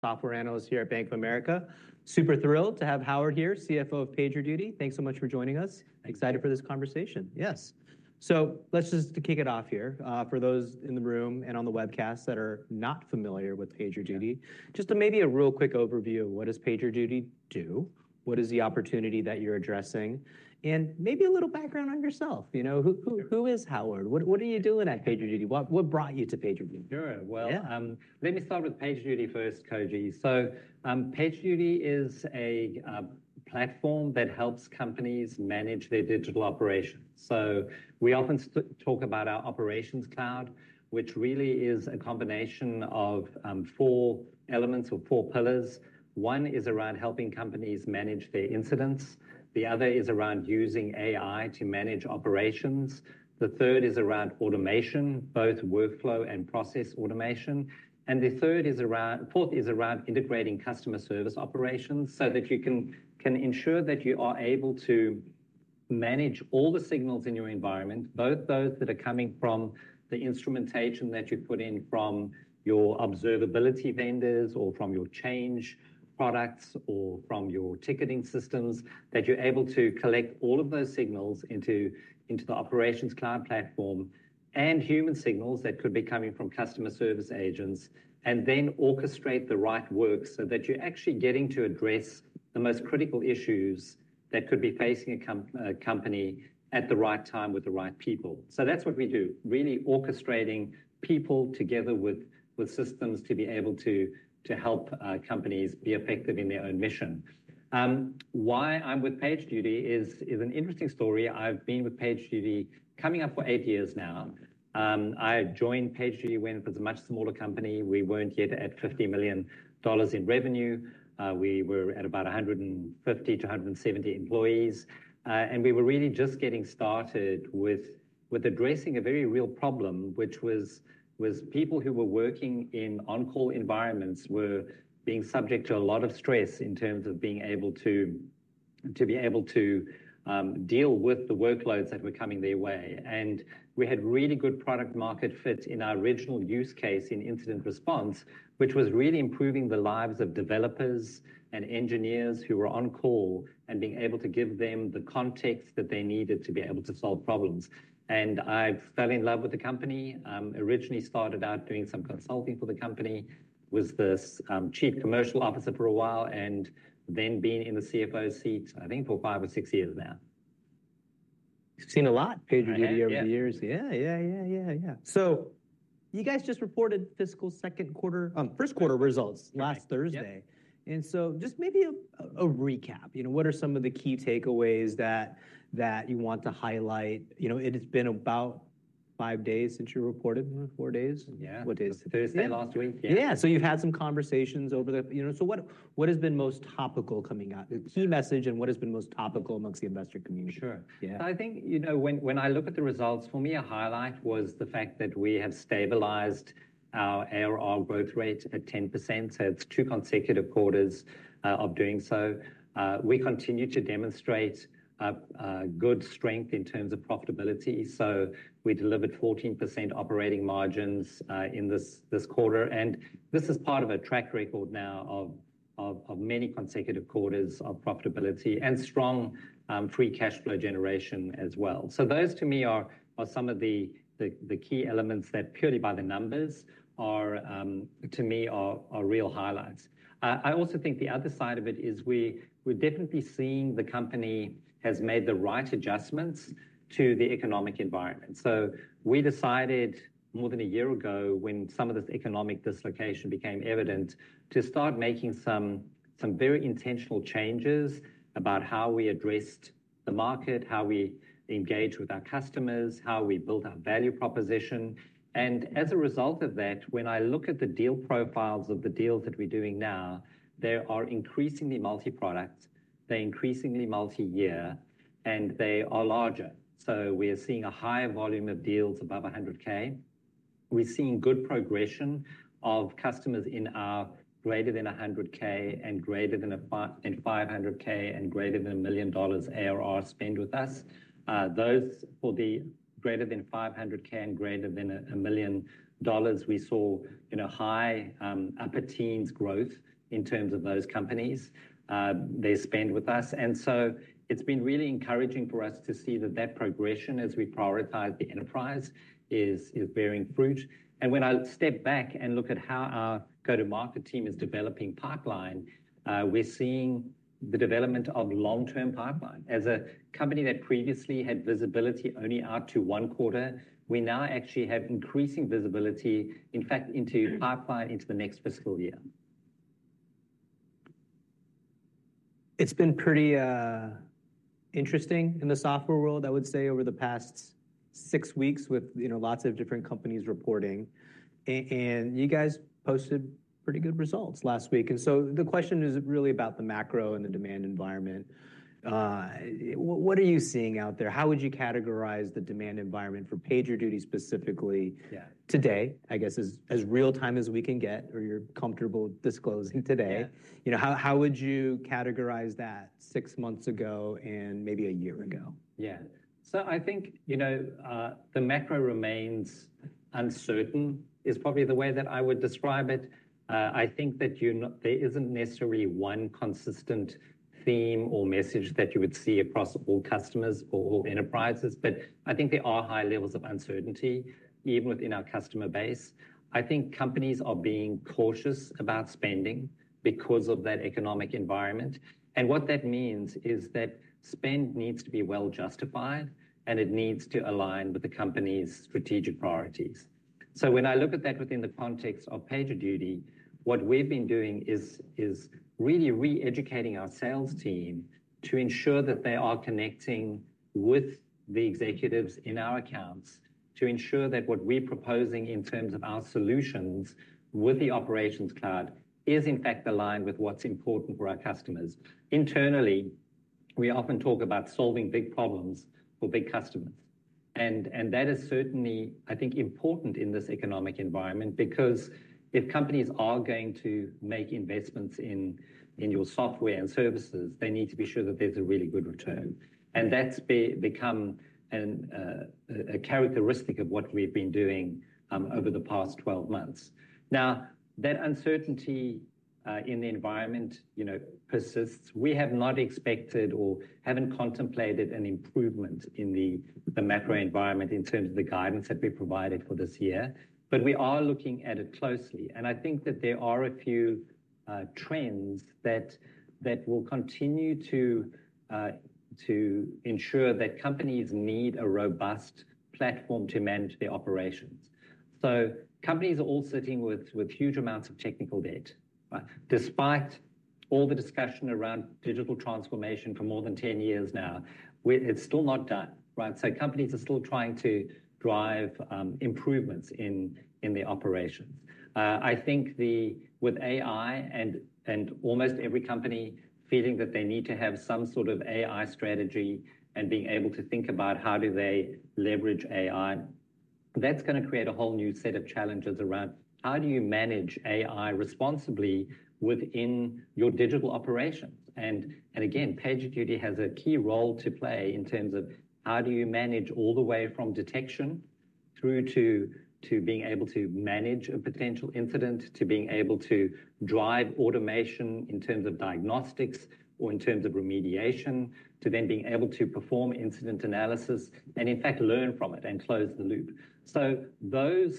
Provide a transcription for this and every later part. Software analyst here at Bank of America. Super thrilled to have Howard here, CFO of PagerDuty. Thanks so much for joining us. Excited for this conversation. Yes. So let's just, to kick it off here, for those in the room and on the webcast that are not familiar with PagerDuty, just a maybe a real quick overview of what does PagerDuty do, what is the opportunity that you're addressing, and maybe a little background on yourself. You know, who is Howard? What are you doing at PagerDuty? What brought you to PagerDuty? Sure. Well- Yeah. Let me start with PagerDuty first, Koji. So, PagerDuty is a platform that helps companies manage their digital operations. So we often talk about our Operations Cloud, which really is a combination of four elements or four pillars. One is around helping companies manage their incidents, the other is around using AI to manage operations. The third is around automation, both workflow and process automation. And the fourth is around integrating customer service operations so that you can ensure that you are able to manage all the signals in your environment, both those that are coming from the instrumentation that you put in from your observability vendors, or from your change products, or from your ticketing systems. That you're able to collect all of those signals into the Operations Cloud platform, and human signals that could be coming from customer service agents, and then orchestrate the right work so that you're actually getting to address the most critical issues that could be facing a company at the right time with the right people. So that's what we do, really orchestrating people together with systems to be able to help companies be effective in their own mission. Why I'm with PagerDuty is an interesting story. I've been with PagerDuty coming up for eight years now. I joined PagerDuty when it was a much smaller company. We weren't yet at $50 million in revenue. We were at about 150-170 employees. We were really just getting started with addressing a very real problem, which was people who were working in on-call environments were being subject to a lot of stress in terms of being able to deal with the workloads that were coming their way. We had really good product market fit in our original use case in incident response, which was really improving the lives of developers and engineers who were on call, and being able to give them the context that they needed to be able to solve problems. I fell in love with the company. Originally started out doing some consulting for the company, was the Chief Commercial Officer for a while, and then been in the CFO seat, I think, for five or six years now. You've seen a lot PagerDuty- I have... over the years. Yeah, yeah, yeah, yeah, yeah. So you guys just reported fiscal second quarter, first quarter results last Thursday. Yep. And so just maybe a recap, you know, what are some of the key takeaways that you want to highlight? You know, it has been about five days since you reported, four days? Yeah. What day is it? Thursday, last week. Yeah. Yeah. So you've had some conversations over the, you know... So what has been most topical coming out, your message, and what has been most topical amongst the investor community? Sure. Yeah. I think, you know, when I look at the results, for me, a highlight was the fact that we have stabilized our ARR growth rate at 10%. So it's two consecutive quarters of doing so. We continue to demonstrate a good strength in terms of profitability, so we delivered 14% operating margins in this quarter. And this is part of a track record now of many consecutive quarters of profitability and strong free cash flow generation as well. So those to me are some of the key elements that purely by the numbers are to me are real highlights. I also think the other side of it is we're definitely seeing the company has made the right adjustments to the economic environment. So we decided more than a year ago, when some of this economic dislocation became evident, to start making some very intentional changes about how we addressed the market, how we engage with our customers, how we built our value proposition. And as a result of that, when I look at the deal profiles of the deals that we're doing now, they are increasingly multi-product, they're increasingly multi-year, and they are larger. So we are seeing a higher volume of deals above $100,000. We're seeing good progression of customers in our greater than $100,000 and greater than $500,000 and greater than $1 million ARR spend with us. Those for the greater than $500,000 and greater than $1 million, we saw, you know, high upper teens% growth in terms of those companies they spend with us. And so it's been really encouraging for us to see that that progression as we prioritize the enterprise is bearing fruit. And when I step back and look at how our go-to-market team is developing pipeline, we're seeing the development of long-term pipeline. As a company that previously had visibility only out to one quarter, we now actually have increasing visibility, in fact, into pipeline into the next fiscal year. ... It's been pretty interesting in the software world, I would say, over the past six weeks with, you know, lots of different companies reporting. And you guys posted pretty good results last week, and so the question is really about the macro and the demand environment. What are you seeing out there? How would you categorize the demand environment for PagerDuty specifically- Yeah today? I guess as real-time as we can get or you're comfortable disclosing today. Yeah. You know, how, how would you categorize that six months ago and maybe a year ago? Yeah. So I think, you know, the macro remains uncertain, is probably the way that I would describe it. I think that there isn't necessarily one consistent theme or message that you would see across all customers or all enterprises, but I think there are high levels of uncertainty, even within our customer base. I think companies are being cautious about spending because of that economic environment, and what that means is that spend needs to be well-justified, and it needs to align with the company's strategic priorities. So when I look at that within the context of PagerDuty, what we've been doing is really re-educating our sales team to ensure that they are connecting with the executives in our accounts, to ensure that what we're proposing in terms of our solutions with the Operations Cloud is in fact aligned with what's important for our customers. Internally, we often talk about solving big problems for big customers, and that is certainly, I think, important in this economic environment, because if companies are going to make investments in your software and services, they need to be sure that there's a really good return. And that's become a characteristic of what we've been doing over the past 12 months. Now, that uncertainty in the environment, you know, persists. We have not expected or haven't contemplated an improvement in the macro environment in terms of the guidance that we provided for this year, but we are looking at it closely, and I think that there are a few trends that will continue to ensure that companies need a robust platform to manage their operations. So companies are all sitting with huge amounts of technical debt, right? Despite all the discussion around digital transformation for more than 10 years now, we're. It's still not done, right? So companies are still trying to drive improvements in their operations. I think with AI and almost every company feeling that they need to have some sort of AI strategy and being able to think about how do they leverage AI, that's gonna create a whole new set of challenges around: how do you manage AI responsibly within your digital operations? And again, PagerDuty has a key role to play in terms of how do you manage all the way from detection through to being able to manage a potential incident, to being able to drive automation in terms of diagnostics or in terms of remediation, to then being able to perform incident analysis and in fact, learn from it and close the loop. So those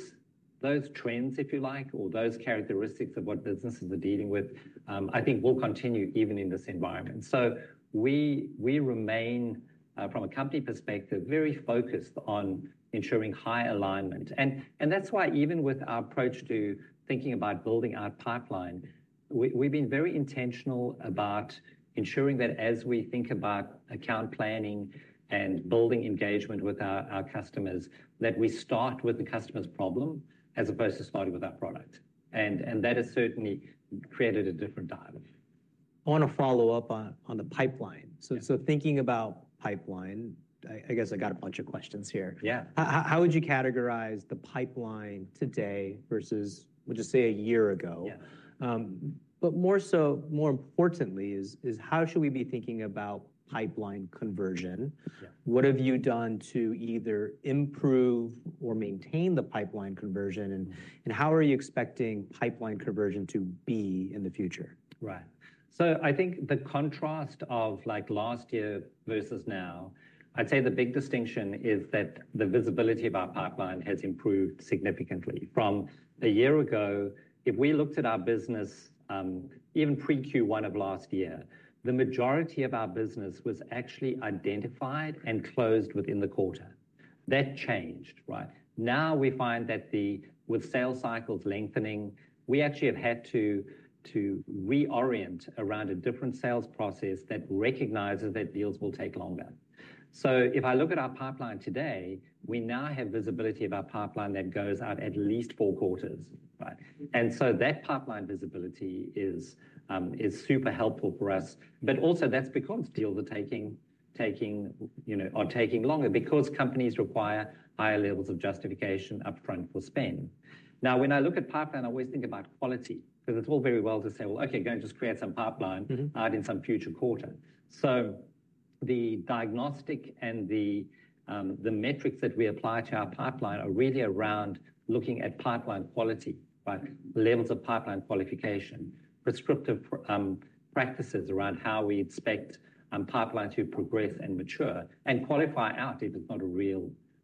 trends, if you like, or those characteristics of what businesses are dealing with, I think will continue even in this environment. So we remain, from a company perspective, very focused on ensuring high alignment. And that's why even with our approach to thinking about building our pipeline, we've been very intentional about ensuring that as we think about account planning and building engagement with our customers, that we start with the customer's problem as opposed to starting with our product. And that has certainly created a different dial. I want to follow up on the pipeline. Yeah. Thinking about pipeline, I guess I got a bunch of questions here. Yeah. How would you categorize the pipeline today versus, we'll just say, a year ago? Yeah. More so, more importantly, is how should we be thinking about pipeline conversion? Yeah. What have you done to either improve or maintain the pipeline conversion, and how are you expecting pipeline conversion to be in the future? Right. So I think the contrast of, like, last year versus now, I'd say the big distinction is that the visibility of our pipeline has improved significantly. From a year ago, if we looked at our business, even pre-Q1 of last year, the majority of our business was actually identified and closed within the quarter. That changed, right? Now we find that the, with sales cycles lengthening, we actually have had to reorient around a different sales process that recognizes that deals will take longer. So if I look at our pipeline today, we now have visibility of our pipeline that goes out at least four quarters, right? And so that pipeline visibility is super helpful for us. But also that's because deals are taking, you know, longer because companies require higher levels of justification upfront for spend. Now, when I look at pipeline, I always think about quality, because it's all very well to say, "Well, okay, go and just create some pipeline- Mm-hmm... out in some future quarter." So the diagnostic and the metrics that we apply to our pipeline are really around looking at pipeline quality, right? Levels of pipeline qualification, prescriptive practices around how we expect pipeline to progress and mature and qualify out if it's not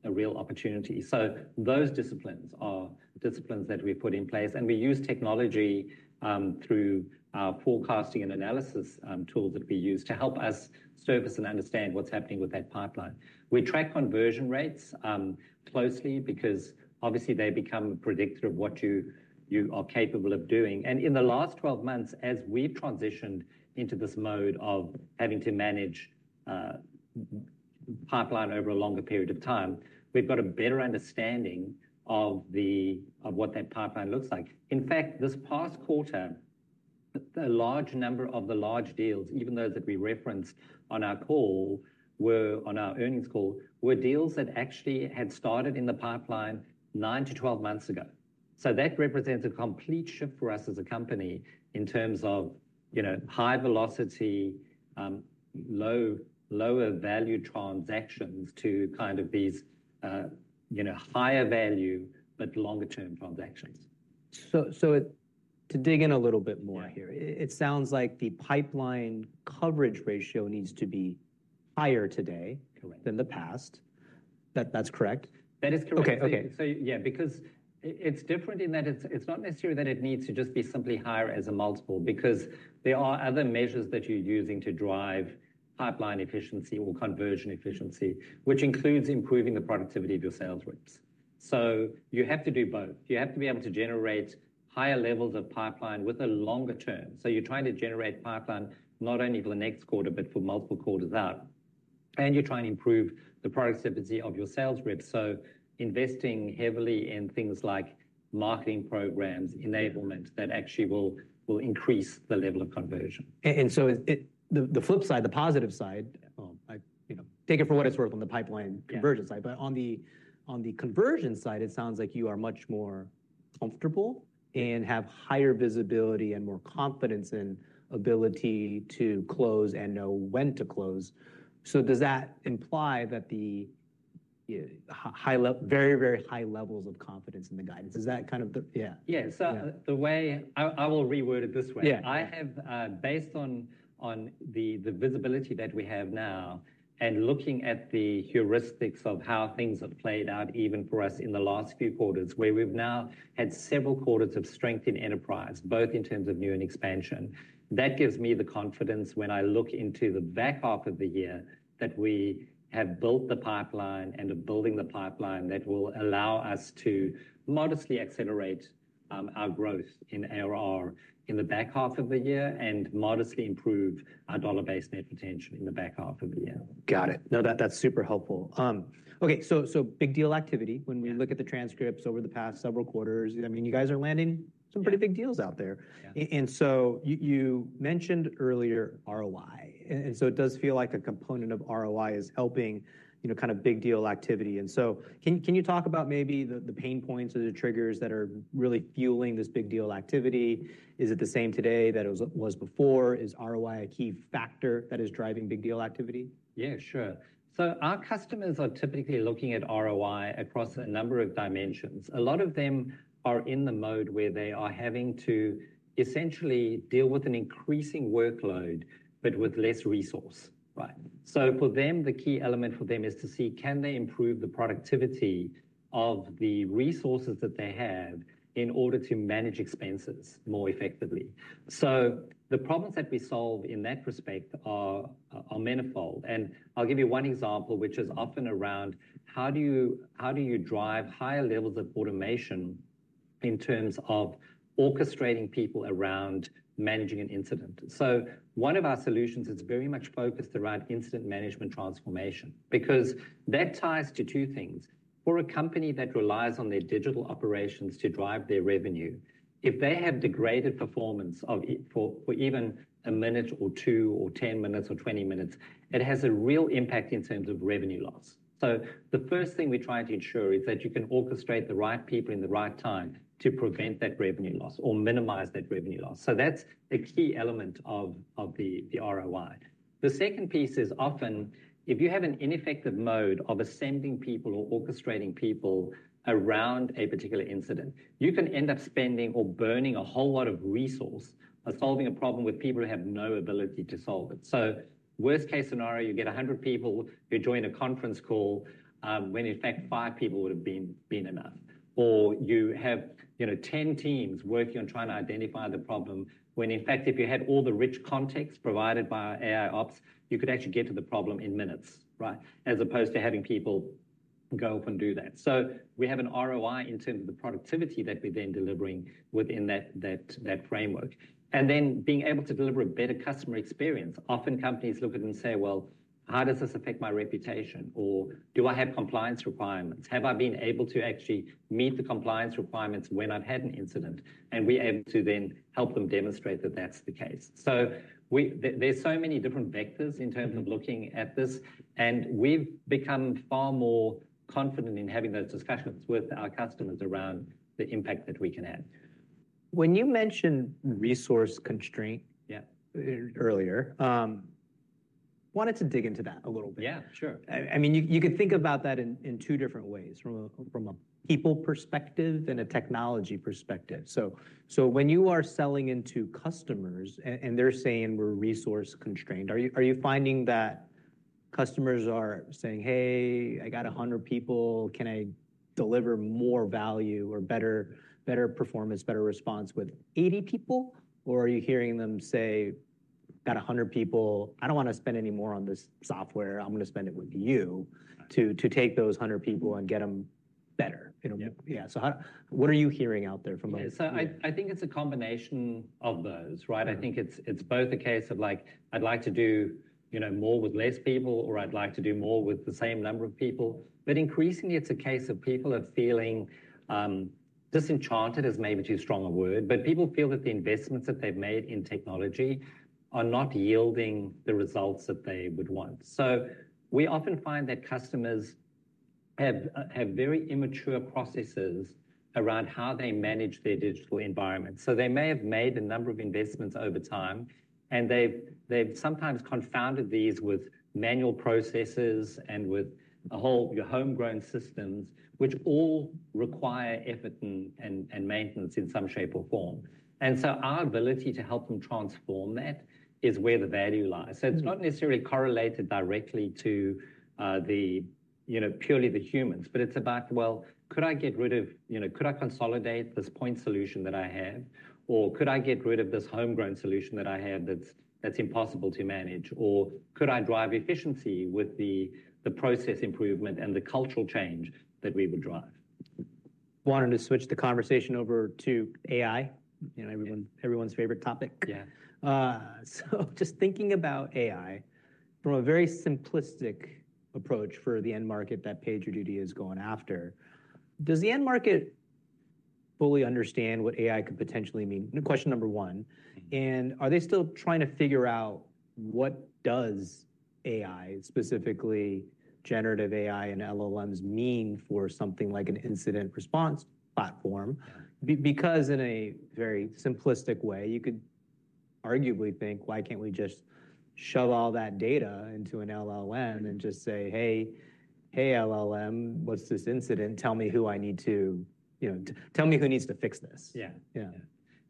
a real opportunity. So those disciplines are disciplines that we put in place, and we use technology through our forecasting and analysis tools that we use to help us service and understand what's happening with that pipeline. We track conversion rates closely because obviously they become predictive of what you are capable of doing. And in the last 12 months, as we've transitioned into this mode of having to manage pipeline over a longer period of time, we've got a better understanding of what that pipeline looks like. In fact, this past quarter. A large number of the large deals, even those that we referenced on our call, were, on our earnings call, were deals that actually had started in the pipeline 9-12 months ago. So that represents a complete shift for us as a company in terms of, you know, high velocity, lower value transactions to kind of these, you know, higher value, but longer term transactions. So, to dig in a little bit more here- Yeah... it sounds like the pipeline coverage ratio needs to be higher today- Correct -than the past. That, that's correct? That is correct. Okay. Okay. So, yeah, because it, it's different in that it's, it's not necessarily that it needs to just be simply higher as a multiple, because there are other measures that you're using to drive pipeline efficiency or conversion efficiency, which includes improving the productivity of your sales reps. So you have to do both. You have to be able to generate higher levels of pipeline with a longer term. So you're trying to generate pipeline not only for the next quarter, but for multiple quarters out, and you're trying to improve the productivity of your sales reps. So investing heavily in things like marketing programs, enablement, that actually will, will increase the level of conversion. So it, the flip side, the positive side, I, you know, take it for what it's worth on the pipeline conversion side. Yeah. But on the conversion side, it sounds like you are much more comfortable and have higher visibility and more confidence in ability to close and know when to close. So does that imply the high level, very, very high levels of confidence in the guidance? Is that kind of the... Yeah. Yeah. Yeah. I will reword it this way. Yeah. I have, based on the visibility that we have now, and looking at the heuristics of how things have played out, even for us in the last few quarters, where we've now had several quarters of strength in enterprise, both in terms of new and expansion, that gives me the confidence when I look into the back half of the year, that we have built the pipeline and are building the pipeline that will allow us to modestly accelerate, our growth in ARR in the back half of the year, and modestly improve our Dollar-based net retention in the back half of the year. Got it. No, that, that's super helpful. Okay, so big deal activity- Yeah When we look at the transcripts over the past several quarters, I mean, you guys are landing some pretty big deals out there. Yeah. And so you mentioned earlier ROI, and so it does feel like a component of ROI is helping, you know, kind of big deal activity. And so can you talk about maybe the pain points or the triggers that are really fueling this big deal activity? Is it the same today that it was before? Is ROI a key factor that is driving big deal activity? Yeah, sure. So our customers are typically looking at ROI across a number of dimensions. A lot of them are in the mode where they are having to essentially deal with an increasing workload, but with less resource, right? So for them, the key element for them is to see, can they improve the productivity of the resources that they have in order to manage expenses more effectively? So the problems that we solve in that respect are manifold. And I'll give you one example, which is often around how do you drive higher levels of automation in terms of orchestrating people around managing an incident? So one of our solutions is very much focused around Incident Management Transformation, because that ties to two things. For a company that relies on their digital operations to drive their revenue, if they have degraded performance of it for even a minute or two, or 10 minutes or 20 minutes, it has a real impact in terms of revenue loss. So the first thing we try to ensure is that you can orchestrate the right people in the right time to prevent that revenue loss or minimize that revenue loss. So that's a key element of the ROI. The second piece is often, if you have an ineffective mode of ascending people or orchestrating people around a particular incident, you can end up spending or burning a whole lot of resource on solving a problem with people who have no ability to solve it. So worst case scenario, you get 100 people who join a conference call, when in fact, five people would have been enough. Or you have, you know, 10 teams working on trying to identify the problem, when in fact, if you had all the rich context provided by our AIOps, you could actually get to the problem in minutes, right? As opposed to having people go off and do that. So we have an ROI in terms of the productivity that we're then delivering within that framework, and then being able to deliver a better customer experience. Often companies look at it and say, "Well, how does this affect my reputation?" Or, "Do I have compliance requirements? Have I been able to actually meet the compliance requirements when I've had an incident?" And we're able to then help them demonstrate that that's the case. So there are so many different vectors in terms of looking at this, and we've become far more confident in having those discussions with our customers around the impact that we can have. When you mentioned resource constraint- Yeah... earlier, wanted to dig into that a little bit. Yeah, sure. I mean, you could think about that in two different ways, from a people perspective and a technology perspective. So when you are selling into customers and they're saying, "We're resource-constrained," are you finding that customers are saying, "Hey, I got 100 people, can I deliver more value or better performance, better response with 80 people?" Or are you hearing them say, "Got 100 people, I don't want to spend any more on this software. I'm going to spend it with you- Right to take those 100 people and get them better? You know. Yeah. Yeah. What are you hearing out there from them? Yeah. So I think it's a combination of those, right? Mm-hmm. I think it's both a case of like, I'd like to do, you know, more with less people, or I'd like to do more with the same number of people. But increasingly, it's a case of people are feeling disenchanted is maybe too strong a word, but people feel that the investments that they've made in technology are not yielding the results that they would want. So we often find that customers have very immature processes around how they manage their digital environment. So they may have made a number of investments over time, and they've sometimes confounded these with manual processes and with a whole your homegrown systems, which all require effort and maintenance in some shape or form. And so our ability to help them transform that is where the value lies. So it's not necessarily correlated directly to the, you know, purely the humans, but it's about, well, could I get rid of, you know, could I consolidate this point solution that I have? Or could I get rid of this homegrown solution that I have that's impossible to manage? Or could I drive efficiency with the process improvement and the cultural change that we would drive? Wanted to switch the conversation over to AI, you know, everyone, everyone's favorite topic. Yeah. So just thinking about AI from a very simplistic approach for the end market that PagerDuty is going after, does the end market fully understand what AI could potentially mean? Question number one. And are they still trying to figure out what does AI, specifically generative AI and LLMs, mean for something like an incident response platform? Because in a very simplistic way, you could arguably think: Why can't we just shove all that data into an LLM and just say, "Hey, hey, LLM, what's this incident? Tell me who I need to-- you know, tell me who needs to fix this? Yeah. Yeah.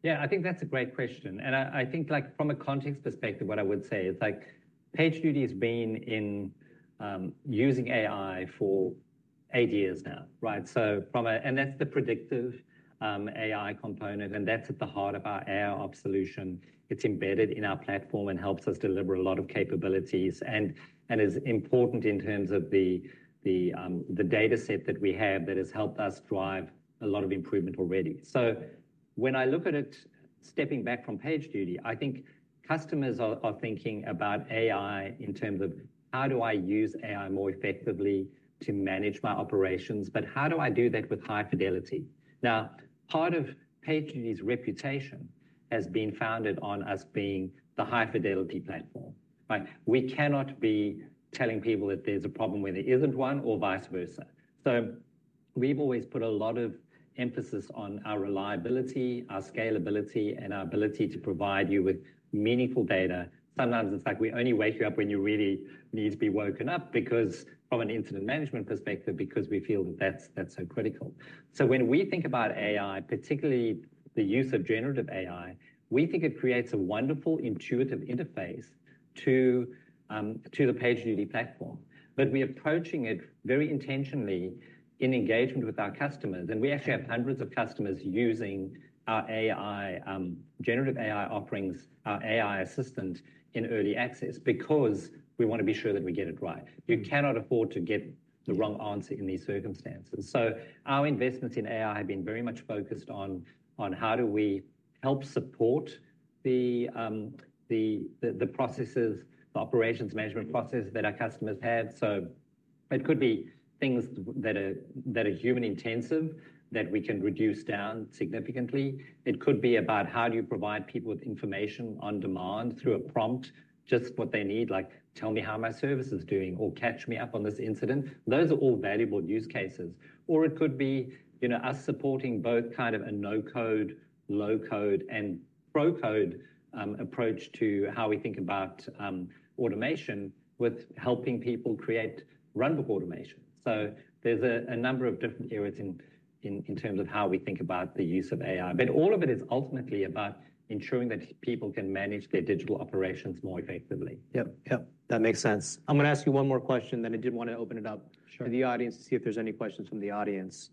Yeah, I think that's a great question, and I think, like, from a context perspective, what I would say is, like, PagerDuty has been in using AI for 8 years now, right? So from a and that's the predictive AI component, and that's at the heart of our AIOps solution. It's embedded in our platform and helps us deliver a lot of capabilities, and is important in terms of the dataset that we have that has helped us drive a lot of improvement already. So when I look at it, stepping back from PagerDuty, I think customers are thinking about AI in terms of: How do I use AI more effectively to manage my operations, but how do I do that with high fidelity? Now, part of PagerDuty's reputation has been founded on us being the high-fidelity platform, right? We cannot be telling people that there's a problem where there isn't one, or vice versa. So we've always put a lot of emphasis on our reliability, our scalability, and our ability to provide you with meaningful data. Sometimes it's like we only wake you up when you really need to be woken up, because from an incident management perspective, because we feel that that's so critical. So when we think about AI, particularly the use of generative AI, we think it creates a wonderful, intuitive interface to, to the PagerDuty platform. But we're approaching it very intentionally in engagement with our customers, and we actually have hundreds of customers using our AI, generative AI offerings, our AI Assistant, in early access because we want to be sure that we get it right. You cannot afford to get the wrong answer in these circumstances. So our investments in AI have been very much focused on how do we help support the processes, the operations management processes that our customers have. So it could be things that are human-intensive, that we can reduce down significantly. It could be about how do you provide people with information on demand through a prompt, just what they need? Like, tell me how my service is doing or catch me up on this incident. Those are all valuable use cases. Or it could be, you know, us supporting both kind of a no-code, low-code, and pro-code approach to how we think about automation with helping people create runbook automation. So there's a number of different areas in terms of how we think about the use of AI, but all of it is ultimately about ensuring that people can manage their digital operations more effectively. Yep, yep. That makes sense. I'm gonna ask you one more question, then I did want to open it up- Sure. to the audience to see if there's any questions from the audience.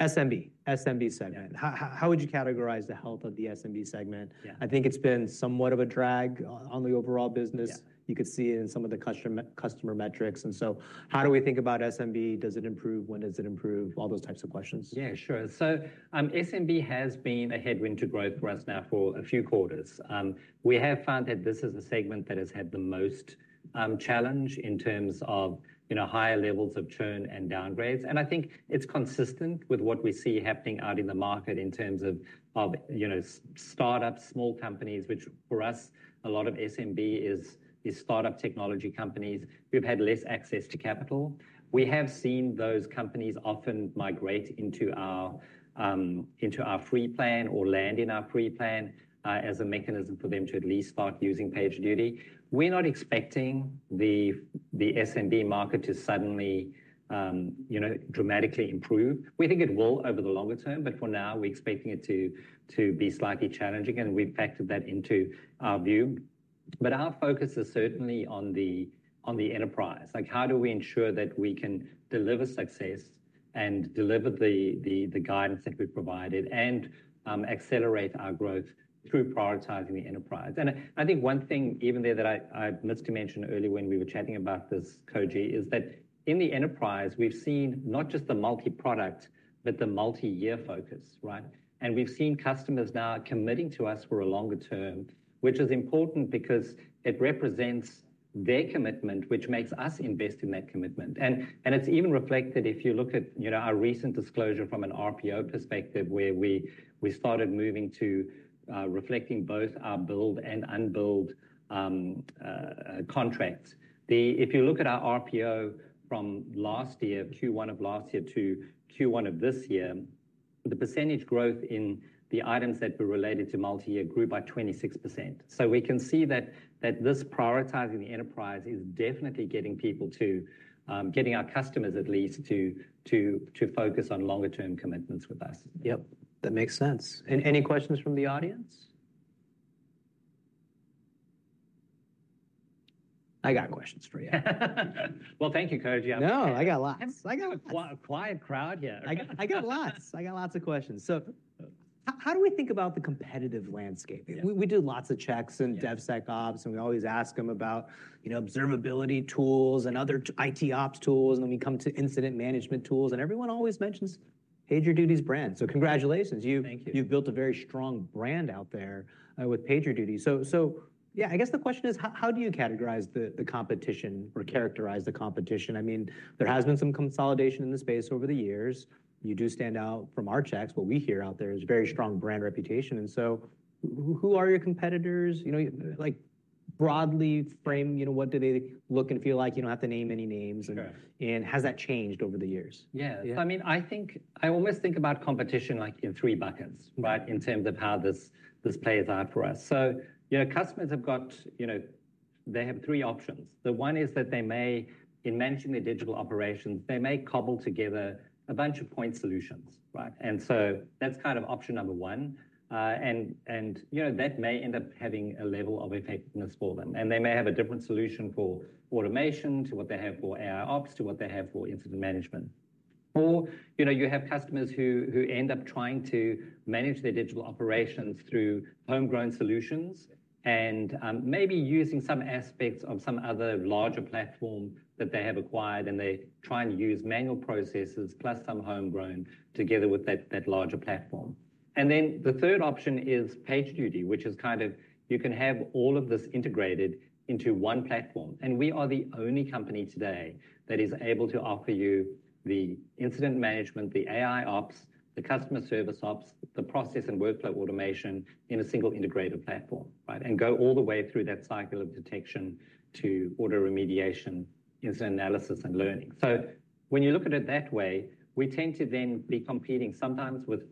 SMB. SMB segment. Yeah. How would you categorize the health of the SMB segment? Yeah. I think it's been somewhat of a drag on the overall business. Yeah. You could see it in some of the customer metrics, and so how do we think about SMB? Does it improve? When does it improve? All those types of questions. Yeah, sure. So, SMB has been a headwind to growth for us now for a few quarters. We have found that this is a segment that has had the most challenge in terms of, you know, higher levels of churn and downgrades, and I think it's consistent with what we see happening out in the market in terms of, you know, startups, small companies, which, for us, a lot of SMB is, is startup technology companies who've had less access to capital. We have seen those companies often migrate into our, into our free plan or land in our free plan, as a mechanism for them to at least start using PagerDuty. We're not expecting the SMB market to suddenly, you know, dramatically improve. We think it will over the longer term, but for now, we're expecting it to be slightly challenging, and we've factored that into our view. But our focus is certainly on the enterprise. Like, how do we ensure that we can deliver success and deliver the guidance that we've provided and accelerate our growth through prioritizing the enterprise? And I think one thing even there that I omitted to mention earlier when we were chatting about this, Koji, is that in the enterprise, we've seen not just the multi-product, but the multi-year focus, right? And we've seen customers now committing to us for a longer term, which is important because it represents their commitment, which makes us invest in that commitment. It's even reflected, if you look at, you know, our recent disclosure from an RPO perspective, where we started moving to reflecting both our billed and unbilled contracts. If you look at our RPO from last year, Q1 of last year to Q1 of this year, the percentage growth in the items that were related to multi-year grew by 26%. So we can see that this prioritizing the enterprise is definitely getting people to getting our customers at least to focus on longer term commitments with us. Yep, that makes sense. Any questions from the audience? I got questions for you. Well, thank you, Koji Ikeda. No, I got lots. I got- A quiet, quiet crowd here. I got, I got lots. I got lots of questions. So how, how do we think about the competitive landscape? Yeah. We do lots of checks in DevSecOps, and we always ask them about, you know, observability tools and other IT Ops tools, and then we come to incident management tools, and everyone always mentions PagerDuty's brand. So congratulations. Thank you. You've built a very strong brand out there with PagerDuty. So yeah, I guess the question is: How do you categorize the competition or characterize the competition? I mean, there has been some consolidation in the space over the years. You do stand out from our checks. What we hear out there is very strong brand reputation, and so who are your competitors? You know, like, broadly frame, you know, what do they look and feel like? You don't have to name any names. Sure. Has that changed over the years? Yeah. Yeah. I mean, I think... I almost think about competition like in three buckets- Right... but in terms of how this plays out for us. So, you know, customers have got, you know, they have three options. The one is that they may, in managing their digital operations, they may cobble together a bunch of point solutions, right? And so that's kind of option number one. And, you know, that may end up having a level of effectiveness for them, and they may have a different solution for automation to what they have for AIOps, to what they have for incident management. Or, you know, you have customers who end up trying to manage their digital operations through homegrown solutions and, maybe using some aspects of some other larger platform that they have acquired, and they try and use manual processes plus some homegrown together with that larger platform. And then the third option is PagerDuty, which is kind of you can have all of this integrated into one platform, and we are the only company today that is able to offer you the incident management, the AIOps, the customer service ops, the process and workflow automation in a single integrated platform, right? And go all the way through that cycle of detection to auto remediation, incident analysis, and learning. So when you look at it that way, we tend to then be competing sometimes with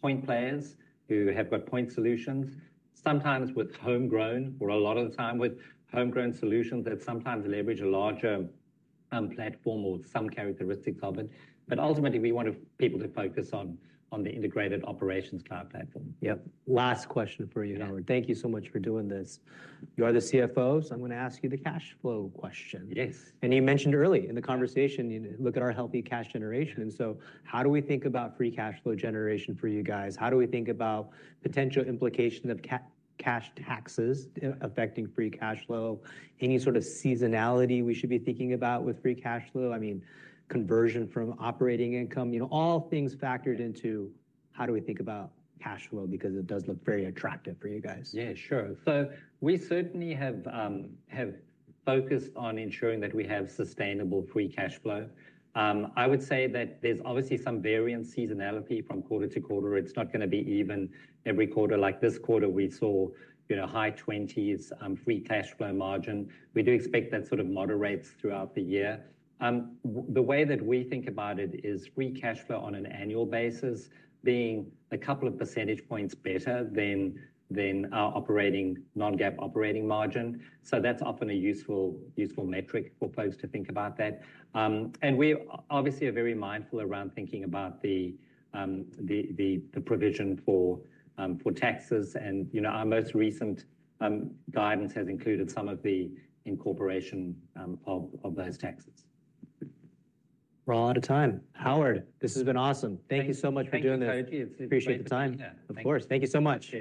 point players who have got point solutions, sometimes with homegrown, or a lot of the time with homegrown solutions that sometimes leverage a larger platform or some characteristics of it. But ultimately, we want people to focus on the integrated Operations Cloud platform. Yep. Last question for you, Howard. Yeah. Thank you so much for doing this. You are the CFO, so I'm gonna ask you the cash flow question. Yes. You mentioned earlier in the conversation- Yeah... you look at our healthy cash generation, and so how do we think about free cash flow generation for you guys? How do we think about potential implications of cash taxes affecting free cash flow? Any sort of seasonality we should be thinking about with free cash flow? I mean, conversion from operating income, you know, all things factored into how do we think about cash flow because it does look very attractive for you guys. Yeah, sure. So we certainly have focused on ensuring that we have sustainable free cash flow. I would say that there's obviously some variance seasonality from quarter to quarter. It's not gonna be even every quarter. Like this quarter, we saw, you know, high 20s% free cash flow margin. We do expect that sort of moderates throughout the year. The way that we think about it is free cash flow on an annual basis being a couple of percentage points better than our operating, non-GAAP operating margin. So that's often a useful, useful metric for folks to think about that. And we obviously are very mindful around thinking about the provision for taxes. And, you know, our most recent guidance has included some of the incorporation of those taxes. We're all out of time. Howard, this has been awesome. Thank you. Thank you so much for doing this. Thank you, Koji Ikeda. Appreciate the time. Yeah. Of course. Thank you so much.